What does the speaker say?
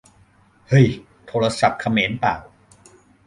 เฮ่ย โทรศัพท์เขมรป่าว !